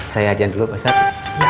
saya ajan dulu pak ustadz